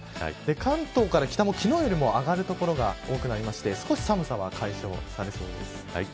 関東から北も昨日よりも上がる所が多くなって少し寒さは解消されそうです。